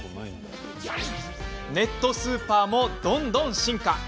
ネットスーパーもどんどん進化。